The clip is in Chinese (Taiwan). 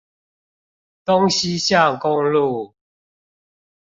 東西向公路